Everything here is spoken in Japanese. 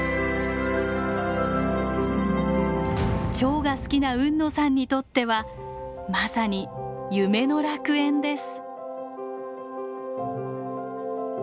チョウが好きな海野さんにとってはまさに夢の楽園です。